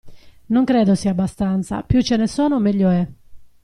Non credo sia abbastanza, più ce ne sono meglio è.